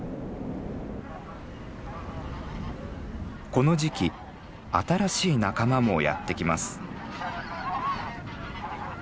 この時期新しい仲間もやって来ます。